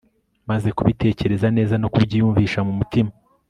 maze kubitekereza neza no kubyiyumvisha mu mutima